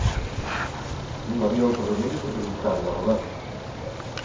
Non había outro remedio que preguntarlle a Roberto.